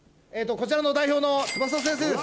こちらの代表の翼先生です